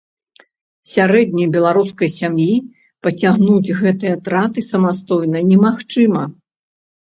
Сярэдняй беларускай сям'і пацягнуць гэтыя траты самастойна немагчыма.